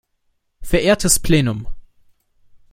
Verehrtes Plenum!